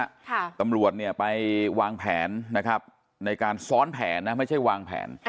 ค่ะตำรวจเนี่ยไปวางแผนนะครับในการซ้อนแผนนะไม่ใช่วางแผนค่ะ